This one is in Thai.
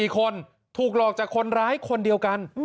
๔คนถูกหลอกจากคนร้ายคนเดียวกัน